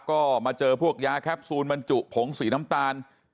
ก็มาเจอพวกยาแคปซูลบรรจุผงสีน้ำตาล